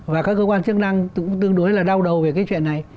và các cơ quan chức năng cũng tương đối là đau đầu về cái chuyện này